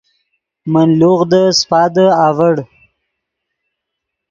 من لوغدے سیپادے اڤڑ